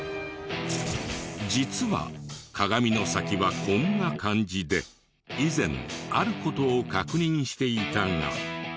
実は鏡の先はこんな感じで以前ある事を確認していたが。